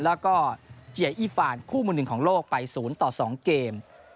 แล้วก็เจียอีฟานคู่มือหนึ่งของโลกไป๐ต่อ๒เกม